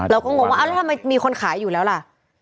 เราก็งงว่าอ้าวแล้วทำไมมีคนขายอยู่แล้วละ